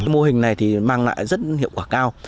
mô hình này thì mang lại rất hiệu quả cao